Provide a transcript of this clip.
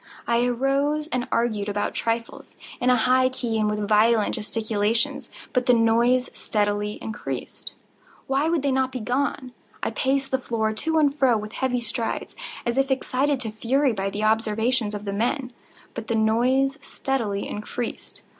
I arose and argued about trifles, in a high key and with violent gesticulations; but the noise steadily increased. Why would they not be gone? I paced the floor to and fro with heavy strides, as if excited to fury by the observations of the men—but the noise steadily increased.